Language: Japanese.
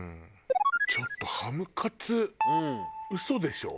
ちょっとハムカツ嘘でしょ？